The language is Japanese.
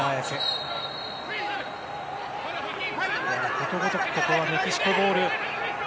ことごとくメキシコボール。